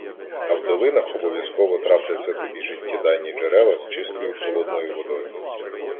А в долинах обов'язково трапляться тобі життєдайні джерела з чистою холодною водою.